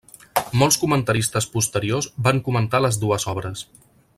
Molts comentaristes posteriors van comentar les dues obres.